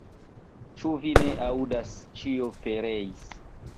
Ĉu vi ne aŭdas, ĉio pereis!